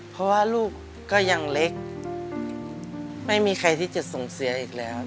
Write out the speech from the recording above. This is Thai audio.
เพราะว่าลูกก็ยังเล็กไม่มีใครที่จะส่งเสียอีกแล้ว